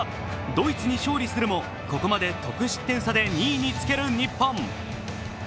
ドイツに勝利するも、ここまで得失点差で２位につける日本。